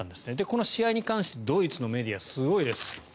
この試合に関してドイツのメディア、すごいです。